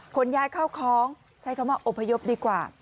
ขนย้ายเข้าของใช้คำว่าอพยพดีกว่า